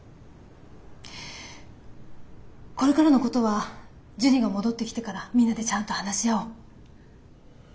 これからのことはジュニが戻ってきてからみんなでちゃんと話し合おう。